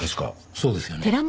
そうですよね？